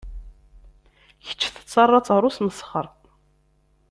Kečč tettaraḍ-tt ɣer usmesxer.